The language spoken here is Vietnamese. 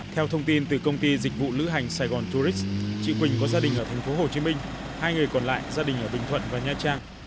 theo thông tin từ công ty dịch vụ lữ hành saigon tourist chị quỳnh có gia đình ở thành phố hồ chí minh hai người còn lại gia đình ở bình thuận và nha trang